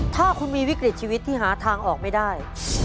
ถ้าคุณมีวิกฤตชีวิตที่หาทางออกไม่ได้